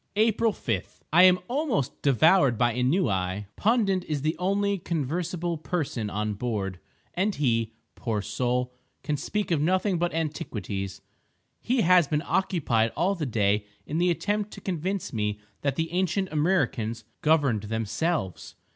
April 5.—I am almost devoured by ennui. Pundit is the only conversible person on board; and he, poor soul! can speak of nothing but antiquities. He has been occupied all the day in the attempt to convince me that the ancient Amriccans governed themselves!